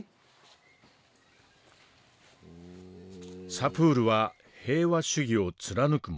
サプールは平和主義を貫く者。